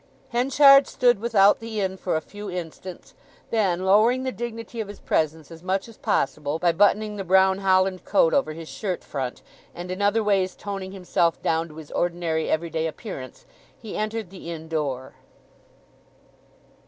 Henchard stood without the inn for a few instants; then lowering the dignity of his presence as much as possible by buttoning the brown holland coat over his shirt front, and in other ways toning himself down to his ordinary everyday appearance, he entered the inn door.